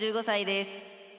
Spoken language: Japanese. １５歳です。